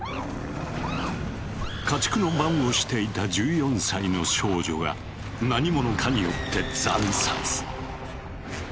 家畜の番をしていた１４歳の少女が何ものかによって惨殺。